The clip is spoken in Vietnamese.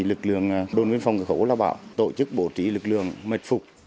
lực lượng đồn biên phòng cửa khẩu đã bảo tổ chức bổ trí lực lượng mệt phục